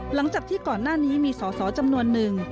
หลังจากที่ก่อนหน้านี้มีสอสอจำนวนหนึ่ง